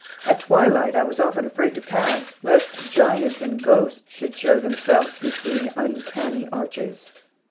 At twilight I was often afraid to pass, lest giants and ghosts should show themselves between uncanny arches.